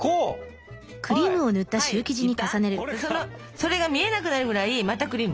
それが見えなくなるぐらいまたクリーム。